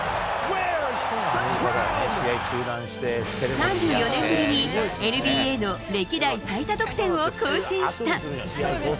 ３４年ぶりに、ＮＢＡの歴代最多得点を更新した。